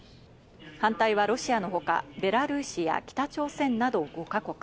反対はロシアのほか、ベラルーシや北朝鮮など５か国。